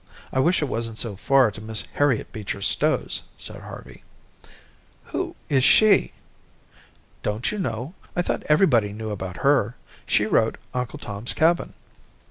I wish it wasn't so far to Mrs. Harriet Beecher Stowe's," said Harvey. "Who is she?" "Don't you know? I thought everybody knew about her. She wrote 'Uncle Tom's Cabin.'"